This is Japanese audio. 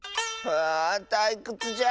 はあたいくつじゃ。